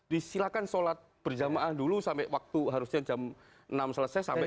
disilakan sholat berjamaah dulu sampai waktu harusnya jam enam selesai sampai